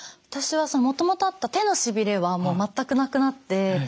私はもともとあった手のしびれはもう全くなくなって。